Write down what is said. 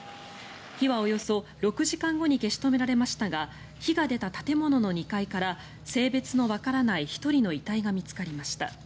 火はおよそ６時間後に消し止められましたが火が出た建物の２階から性別のわからない１人の遺体が見つかりました。